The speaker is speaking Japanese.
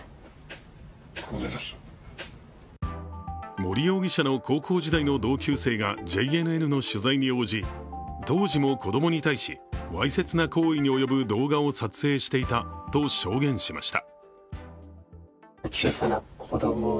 森容疑者の高校時代の同級生がＪＮＮの取材に応じ当時も子供に対し、わいせつな行為に及ぶ動画を撮影していたと証言しました。